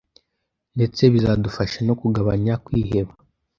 ndetse bizadufasha no kugabanya kwiheba